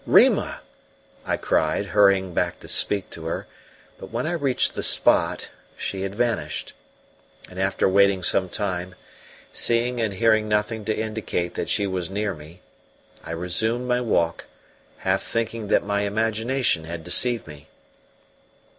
"Rima!" I cried, hurrying back to speak to her, but when I reached the spot she had vanished; and after waiting some time, seeing and hearing nothing to indicate that she was near me, I resumed my walk, half thinking that my imagination had deceived me.